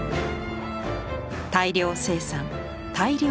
大量生産大量消費。